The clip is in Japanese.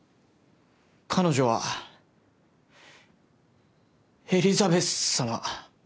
彼女はエリザベスさま。